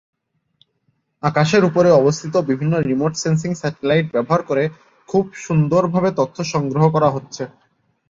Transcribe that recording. আকাশের উপরে অবস্থিত বিভিন্ন রিমোট সেন্সিং স্যাটেলাইট ব্যবহার করে খুব সুন্দরভাবে তথ্য সংগ্রহ করা হচ্ছে।